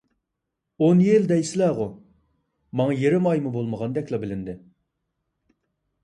ئون يىل دەيسىلەرغۇ، ماڭا يېرىم ئايمۇ بولمىغاندەكلا بىلىندى.